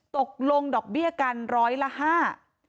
ตกลงดอกเบี้ยกันร้อยละห้า